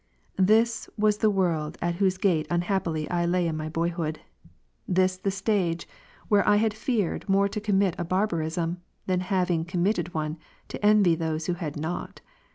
This was the world at whose gate unhaj^py I lay in my boyhood; this the stage, Avhere I had feared more to commit a barbarism, than having committed one, to envy those who had not.